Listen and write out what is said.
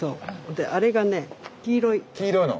であれがね黄色いの。